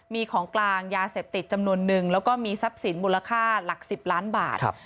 มีของกลางยาเสพติดจำนวนนึงแล้วก็มีทรัพย์สินมูลค่าหลัก๑๐ล้านบาท